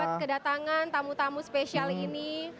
kita dapat kedatangan tamu tamu spesial ini